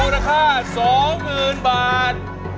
โอราคา๒หมื่นบาท